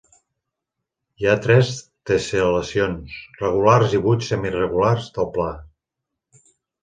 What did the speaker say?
Hi ha tres tessel·lacions regulars i vuit semiregulars del pla.